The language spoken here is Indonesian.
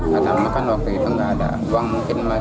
ketika berjalan ke rumah penagi utang menanggung nenek amung